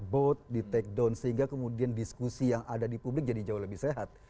bot di take down sehingga kemudian diskusi yang ada di publik jadi jauh lebih sehat